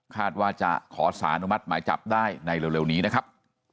ว่าจะขอสารอนุมัติหมายจับได้ในเร็วนี้นะครับ